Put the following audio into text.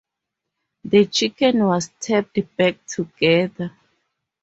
The chicken was taped back together.